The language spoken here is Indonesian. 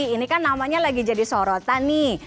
ini kan namanya lagi jadi sorotan nih